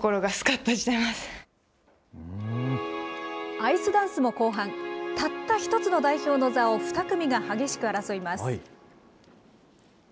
アイスダンスも後半、たった１つの代表の座を２組が激しく争います。